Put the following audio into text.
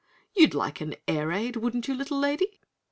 "You'd like an air ade wouldn't you, little lady?"